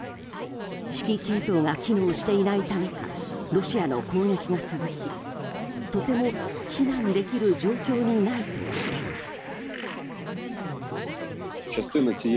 指揮系統が機能していないためかロシアの攻撃が続きとても避難できる状況にないとしています。